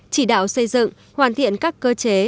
chỉ đạo xây dựng hoàn thiện các cơ chế